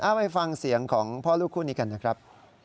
ไปฟังเสียงของพ่อลูกคู่นี้กันนะครับ